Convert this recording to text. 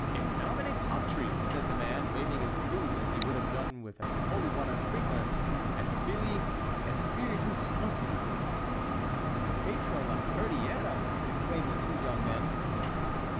In nomine Patris," said the man, waving his spoon as he would have done with a holy water sprinkler, "et Filii, et Spiritus sancti"— "Maître La Hurière!" exclaimed the two young men.